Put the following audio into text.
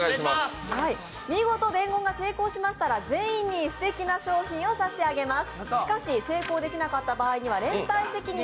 見事伝言が成功しましたら全員にすてきな商品を差し上げます。